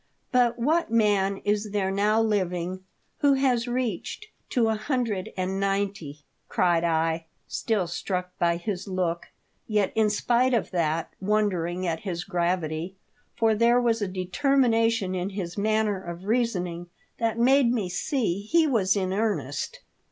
" But what man is there now living who has reached to a hundred and ninety ?" cried I, still struck by his look, yet, in spite of that, wondering at his gravity, for there was a determination in his manner of reasoning that made me see he was in earnest.